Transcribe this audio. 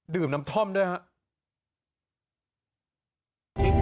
น้ำท่อมด้วยครับ